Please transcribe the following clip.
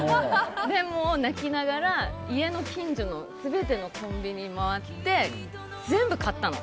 でも、泣きながら家の近所の全てのコンビニを回って全部、買ったの。